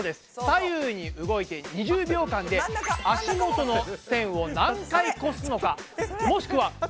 左右に動いて２０秒間で足元の線を何回こすのかもしくはふむのかを数えます。